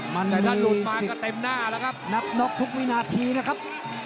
แต่กลัวลดมาก็เต็มหน้าแล้วครับ